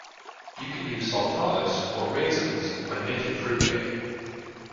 You can use sultanas or raisins when making fruitcake